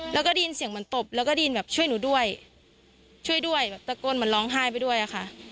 แล้วก็ได้ยินเสียงเหมือนตบแล้วก็ได้ยินแบบช่วยหนูด้วยช่วยด้วยแบบตะโกนเหมือนร้องไห้ไปด้วยอะค่ะ